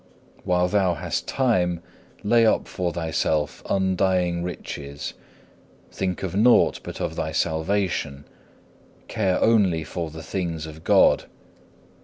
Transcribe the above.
While thou hast time, lay up for thyself undying riches. Think of nought but of thy salvation; care only for the things of God.